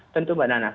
tentu mbak nana